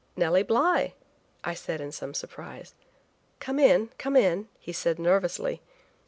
"Nellie Bly," I replied in some surprise. "Come in, come in," he said nervously.